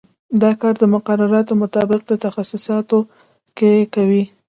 دا کار د مقرراتو مطابق په تخصیصاتو کې کوي.